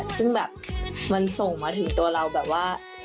ซึ่งแบบมันส่งมาถึงตัวเราแบบว่า